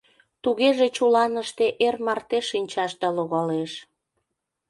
— Тугеже чуланыште эр марте шинчашда логалеш...